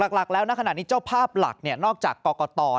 หลักแล้วณขณะนี้เจ้าภาพหลักนอกจากกรกต